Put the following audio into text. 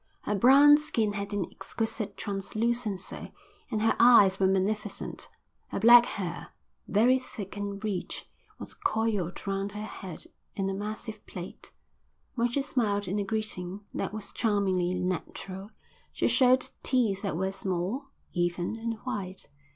Her brown skin had an exquisite translucency and her eyes were magnificent. Her black hair, very thick and rich, was coiled round her head in a massive plait. When she smiled in a greeting that was charmingly natural, she showed teeth that were small, even, and white.